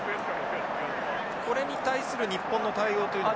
これに対する日本の対応というのは？